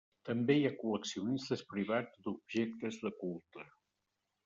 També hi ha col·leccionistes privats d'objectes de culte.